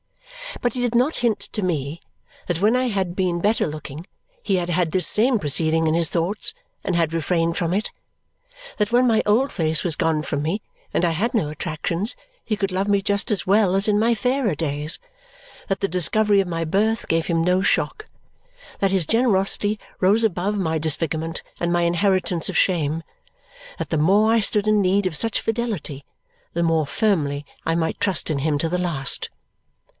But he did not hint to me that when I had been better looking he had had this same proceeding in his thoughts and had refrained from it. That when my old face was gone from me, and I had no attractions, he could love me just as well as in my fairer days. That the discovery of my birth gave him no shock. That his generosity rose above my disfigurement and my inheritance of shame. That the more I stood in need of such fidelity, the more firmly I might trust in him to the last.